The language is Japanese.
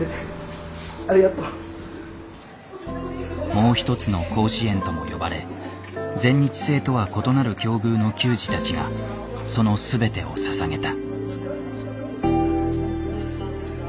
もう一つの甲子園とも呼ばれ全日制とは異なる境遇の球児たちがそのすべてをささげた。